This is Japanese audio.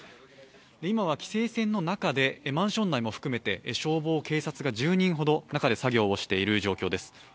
今は規制線の中でマンションも含めて消防、警察が１０人ほど中で作業をしている状況です。